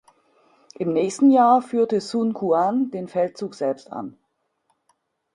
Im nächsten Jahr führte Sun Quan den Feldzug selbst an.